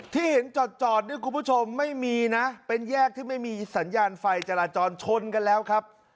ที่เห็นจอดเนี่ยคุณผู้ชมไม่มีนะเป็นแยกที่ไม่มีสัญญาณไฟจราจรชนกันแล้วครับ